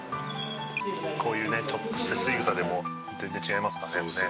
「こういうねちょっとしたしぐさでも全然違いますからねでもね」